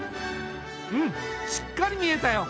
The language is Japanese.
うんしっかり見えたよ。